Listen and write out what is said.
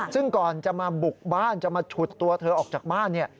ซึ่งก่อนจะมาบุกบ้านจะมาฉุดตัวเธอออกจากบ้าน